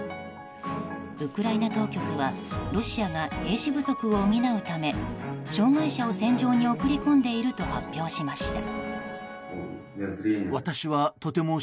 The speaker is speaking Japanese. ウクライナ当局はロシアが兵士不足を補うため障害者を戦場に送り込んでいると発表しました。